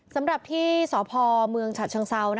สำหรับที่สพเมืองฉะเชิงเซา